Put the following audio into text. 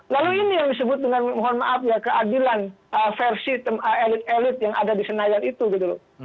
lalu ini yang disebut dengan mohon maaf ya keadilan versi elit elit yang ada di senayan itu gitu loh